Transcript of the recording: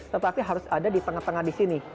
tetapi harus ada di tengah tengah di sini